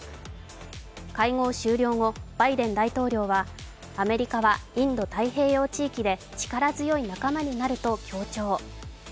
会合終了後、バイデン大統領はアメリカはインド太平洋地域で力強い仲間になると強調。